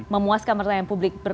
memuaskan pertanyaan publik